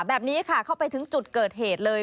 แบบนี้ค่ะเข้าไปถึงจุดเกิดเหตุเลย